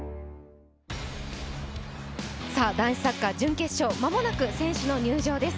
男子サッカー準決勝まもなく選手の入場です。